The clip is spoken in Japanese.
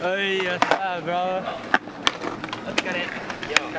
お疲れ。